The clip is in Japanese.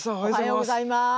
おはようございます。